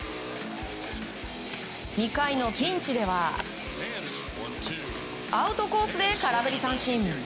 ２回のピンチではアウトコースで空振り三振。